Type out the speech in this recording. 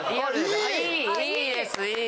いいですいい！